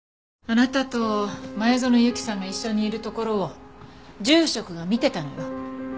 あなたと前園由紀さんが一緒にいるところを住職が見てたのよ。